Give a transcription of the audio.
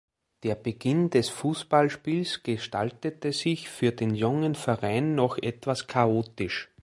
Der Beginn des Fußballspiels gestaltete sich für den jungen Verein noch etwas chaotisch.